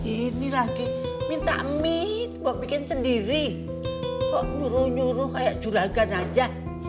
ini lagi minta min nan timah bikin sendiri kok nyeru nyeru kayak juragan aja